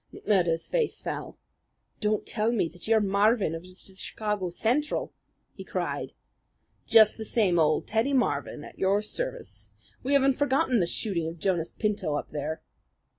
McMurdo's face fell. "Don't tell me that you're Marvin of the Chicago Central!" he cried. "Just the same old Teddy Marvin, at your service. We haven't forgotten the shooting of Jonas Pinto up there."